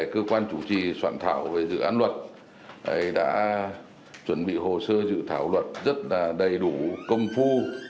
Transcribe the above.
cơ quan chủ trì soạn thảo về dự án luật đã chuẩn bị hồ sơ dự thảo luật rất đầy đủ công phu